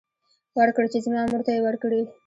ورکړ چې زما مور ته يې ورکړي.